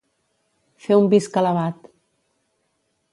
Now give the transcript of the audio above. Fer un visca l'abat.